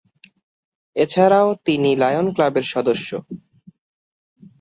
এছাড়াও তিনি লায়ন ক্লাবের একজন সদস্য।